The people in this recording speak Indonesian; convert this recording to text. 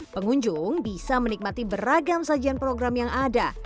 pengunjung bisa menikmati beragam sajian program yang ada